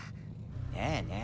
ねえねえ